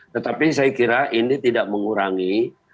tetapi saya kira ini tidak mengurangi